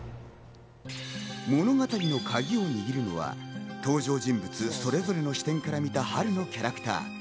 物語のカギを握るのは登場人物それぞれの視点から見たハルのキャラクター。